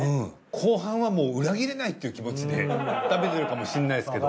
後半はもう裏切れないっていう気持ちで食べてるかもしんないですけど。